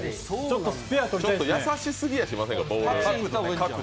優しすぎやしませんか。